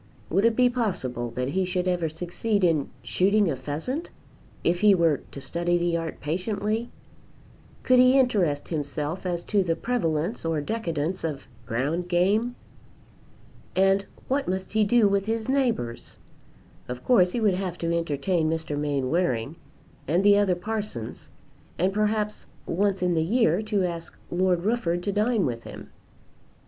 Would it be possible that he should ever succeed in shooting a pheasant, if he were to study the art patiently? Could he interest himself as to the prevalence or decadence of ground game? And what must he do with his neighbours? Of course he would have to entertain Mr. Mainwaring and the other parsons, and perhaps once in the year to ask Lord Rufford to dine with him.